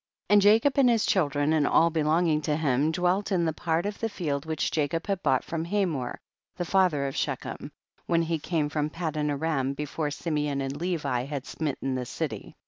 3. And Jacob and his children and all belonging to him dwelt in the part of the field which Jacob had bought from Hamor the father of Shechem, when he came from Padan aram be fore Simeon and Levi had smitten the city.